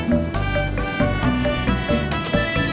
ya pat teman gue